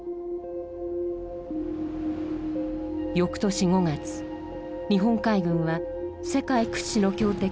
翌年５月日本海軍は世界屈指の強敵